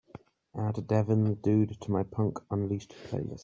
Add devin the dude to my punk unleashed playlist.